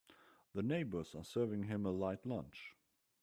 The neighbors are serving him a light lunch.